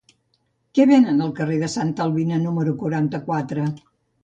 Què venen al carrer de Santa Albina número quaranta-quatre?